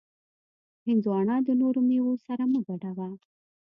هندوانه د نورو میوو سره مه ګډوه.